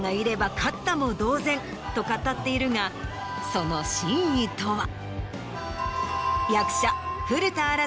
と語っているがその真意とは？